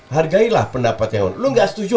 hargailah pendapat yang ada anda nggak setuju